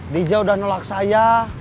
diza udah nolak saya